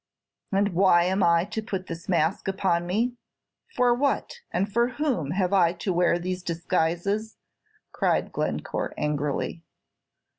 "And why am I to put this mask upon me? For what and for whom have I to wear this disguise?" cried Glencore, angrily.